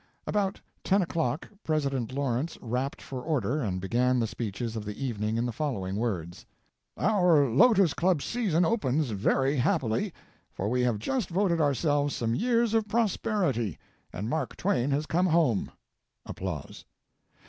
About 10 o'clock President Lawrence rapped for order and began the speeches of the evening in the following words: "Our Lotos club season opens very happily, for we have just voted ourselves some years of prosperity, and Mark Twain has come home. [Applause.